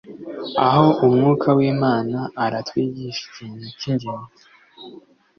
Aha Umwuka w’Imana aratwigisha ikintu cy’ingenzi